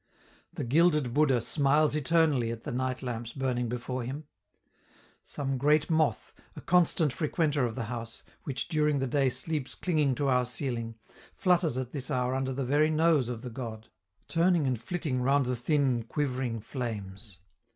The gilded Buddha smiles eternally at the night lamps burning before him; some great moth, a constant frequenter of the house, which during the day sleeps clinging to our ceiling, flutters at this hour under the very nose of the god, turning and flitting round the thin, quivering flames.